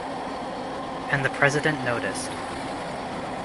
And the president noticed.